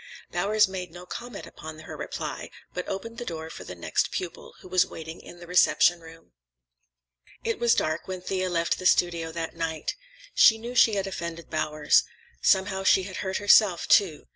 Bowers made no comment upon this reply, but opened the door for the next pupil, who was waiting in the reception room. It was dark when Thea left the studio that night. She knew she had offended Bowers. Somehow she had hurt herself, too.